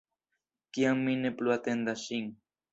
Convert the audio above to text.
Kiam mi ne plu atendas ŝin.